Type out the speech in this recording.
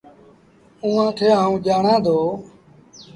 اُئآݩٚ کي آئوٚنٚ ڄآڻآنٚ دو۔